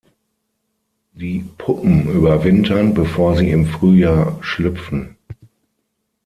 Die Puppen überwintern bevor sie im Frühjahr schlüpfen.